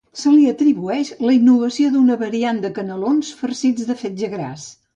Se li atribueix la invenció d'una variant de canelons farcits de fetge gras.